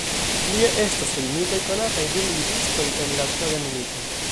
Plie estas el mitoj konataj du militistoj el la Troja milito.